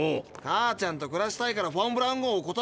母ちゃんと暮らしたいからフォン・ブラウン号を断るって？